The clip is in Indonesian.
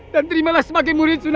dan terimalah sebagai murid sunan